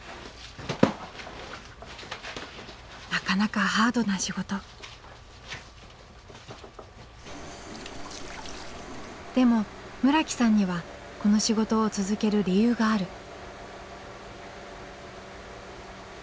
なかなかハードな仕事。でも村木さんにはこの仕事を続ける理由がある。